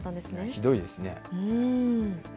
ひどいですね。